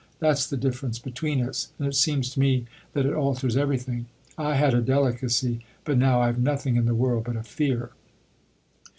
That's the difference between us, and it seems to me that it alters THE OTHER HOUSE 229 everything. I had a delicacy but now I've nothing in the world but a fear."